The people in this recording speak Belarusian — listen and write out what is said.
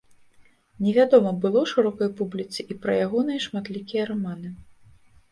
Невядома было шырокай публіцы і пра ягоныя шматлікія раманы.